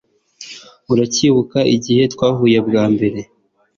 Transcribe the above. uracyibuka igihe twahuye bwa mbere